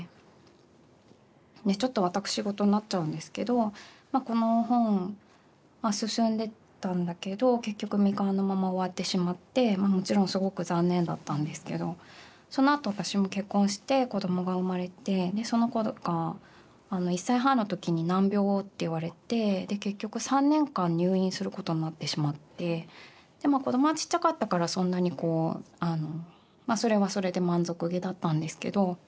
でちょっとわたくしごとになっちゃうんですけどこの本進んでたんだけど結局未完のまま終わってしまってもちろんすごく残念だったんですけどそのあと私も結婚して子どもが生まれてその子が１歳半の時に難病をって言われて結局３年間入院することになってしまってでまあ子どもはちっちゃかったからそんなにこうあのまあそれはそれで満足げだったんですけど。